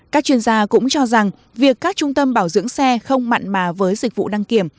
các chuyên gia cũng cho rằng việc các trung tâm bảo dưỡng xe không mặn mà với dịch vụ đăng kiểm